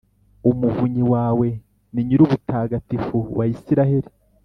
Umuvunyi wawe ni Nyirubutagatifu wa Israheli.